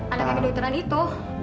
ada kayak kedokteran itu